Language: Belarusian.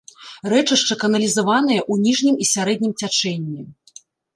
Рэчышча каналізаванае ў ніжнім і сярэднім цячэнні.